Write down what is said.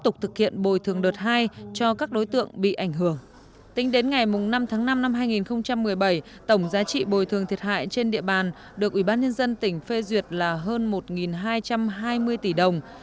tính đến ngày năm tháng năm năm hai nghìn một mươi bảy tổng giá trị bồi thường thiệt hại trên địa bàn được ubnd tỉnh phê duyệt là hơn một hai trăm hai mươi tỷ đồng